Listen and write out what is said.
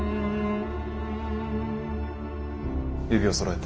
指をそろえて。